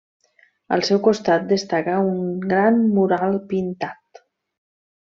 Al seu costat destaca un gran mural pintat.